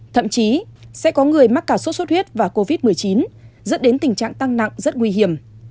thậm chí sẽ có người mắc cả sốt xuất huyết và covid một mươi chín dẫn đến tình trạng tăng nặng rất nguy hiểm